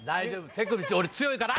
手首俺強いから。